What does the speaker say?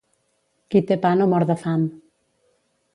Qui té pa no mor de fam.